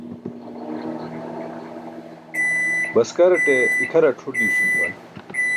Baskaraṭe ikʰarar cʰur diwsum juwan.